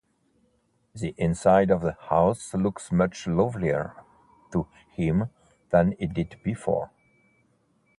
The inside of the house looks much lovelier to him than it did before.